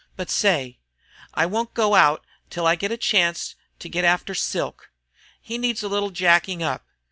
But say, I won't go out till I get a chance to get after Silk. He needs a little jacking up.